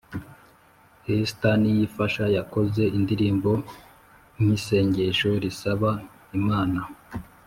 Esther niyifasha yakoze indirimbo nk’isengesho risaba imana